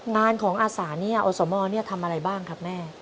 งานของอาสานี่อสมทำอะไรบ้างครับแม่